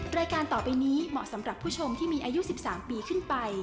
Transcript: รายการต่อไปนี้เหมาะสำหรับผู้ชมที่มีอายุ๑๓ปีขึ้นไป